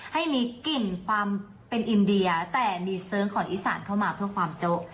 ให้มีกลิ่นความเป็นอินเดียแต่มีเสิร์งของอีสานเข้ามาเพื่อความโจ๊ะ